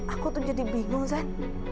aku tuh jadi bingung kan